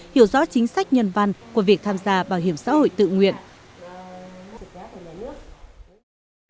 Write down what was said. hiểu rõ chính sách nhân văn của việc tham gia bảo hiểm xã hội tự nguyện